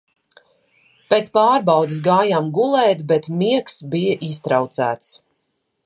Pēc pārbaudes gājām gulēt, bet miegs bija iztraucēts.